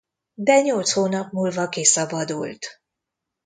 De nyolc hónap múlva kiszabadult.